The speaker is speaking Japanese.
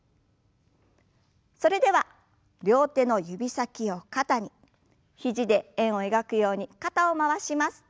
それでは両手の指先を肩に肘で円を描くように肩を回します。